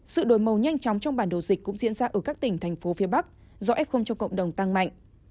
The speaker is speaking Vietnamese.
sự đổi màu nhanh chóng trong bản đồ dịch cũng diễn ra ở các tỉnh thành phố phía bắc do f cho cộng đồng tăng mạnh